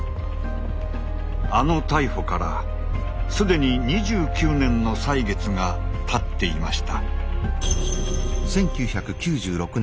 あの逮捕からすでに２９年の歳月がたっていました。